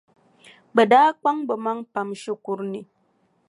Bɛ daa kpaŋ bɛ maŋa pam shikuru ni.